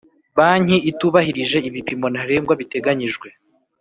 Banki itubahirije ibipimo ntarengwa biteganyijwe